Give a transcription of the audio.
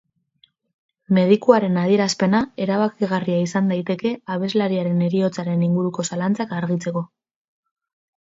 Medikuaren adierazpena erabakigarria izan daiteke abeslariaren heriotzaren inguruko zalantzak argitzeko.